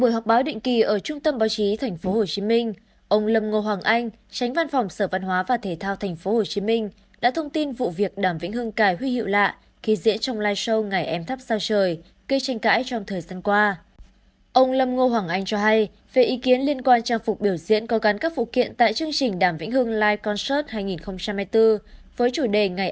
hãy đăng ký kênh để ủng hộ kênh của chúng mình nhé